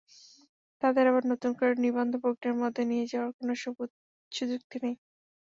তাদের আবার নতুন করে নিবন্ধন-প্রক্রিয়ার মধ্যে নিয়ে যাওয়ার কোনো সুযুক্তি নেই।